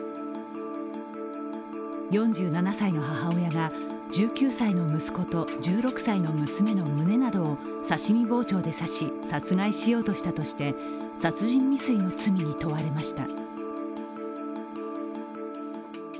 ４７歳の母親が１９歳の息子と１６歳の娘の胸などを刺身包丁で刺し、殺害しようとしたとして殺人未遂の罪に問われました。